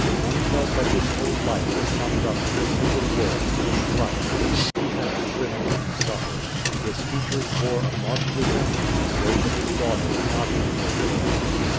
One felt that his whole life was summed up in a single word strife he had striven and suffered. His features bore a marked resemblance to those of his daughter, Nadia Fedor.